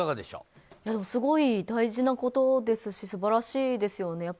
すごい大事なことですし素晴らしいですよね。